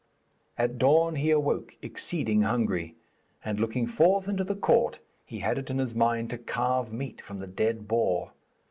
At the dawn he awoke, exceeding hungry, and looking forth into the court he had it in his mind to carve meat from the dead boar.